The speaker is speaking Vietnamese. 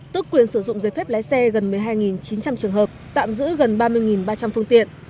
tức quyền sử dụng giấy phép lái xe gần một mươi hai chín trăm linh trường hợp tạm giữ gần ba mươi ba trăm linh phương tiện